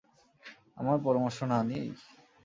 আমার পরামর্শ না নিয়েই?